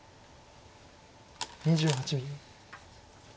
２８秒。